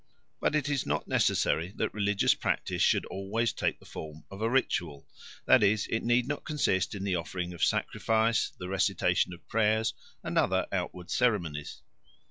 But it is not necessary that religious practice should always take the form of a ritual; that is, it need not consist in the offering of sacrifice, the recitation of prayers, and other outward ceremonies.